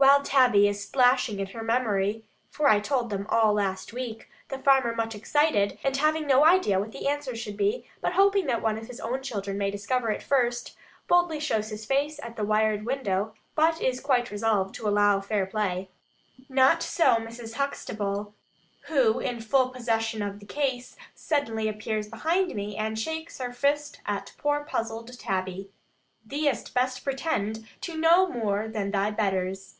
While Tabby is splashing in her memory (for I told them all last week), the farmer much excited, and having no idea what the answer should be, but hoping that one of his own children may discover it first, boldly shows his face at the wired window, but is quite resolved to allow fair play. Not so Mrs. Huxtable, who, in full possession of the case, suddenly appears behind me, and shakes her fist at poor puzzled Tabby. "Thee'dst best pretend to know more than thy betters."